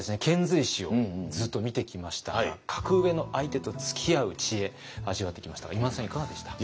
遣隋使をずっと見てきましたが格上の相手とつきあう知恵味わってきましたが今田さんいかがでした？